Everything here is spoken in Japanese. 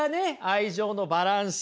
愛情のバランス！